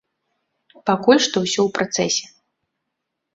Пакуль што ўсё ў працэсе.